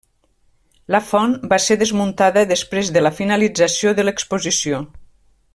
La font va ser desmuntada després de la finalització de l'Exposició.